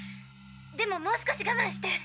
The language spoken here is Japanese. でももう少しがまんして。